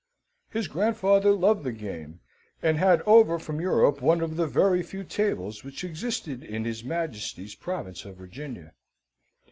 His grandfather loved the game, and had over from Europe one of the very few tables which existed in his Majesty's province of Virginia.